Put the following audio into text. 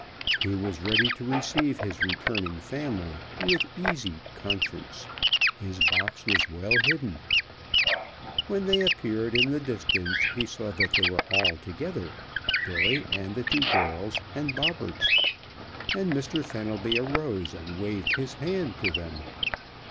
He was ready to receive his returning family with an easy conscience. His box was well hidden. When they appeared in the distance he saw that they were all together, Billy and the two girls and Bobberts, and Mr. Fenelby arose and waved his hand to them.